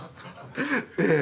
ええ。